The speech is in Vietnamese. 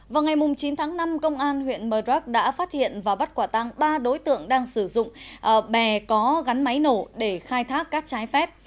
vào ngày chín tháng năm công an huyện mờ đắc đã phát hiện và bắt quả tăng ba đối tượng đang sử dụng bè có gắn máy nổ để khai thác cát trái phép